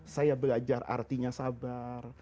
saya belajar artinya sabar